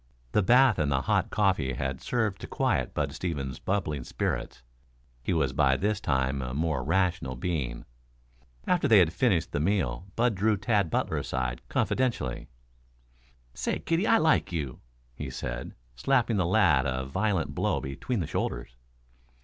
The bath and the hot coffee had served to quiet Bud Stevens's bubbling spirits. He was by this time a more rational being. After they had finished the meal Bud drew Tad Butler aside confidentially. "Say, kiddie, I like you," he said, slapping the lad a violent blow between the shoulders.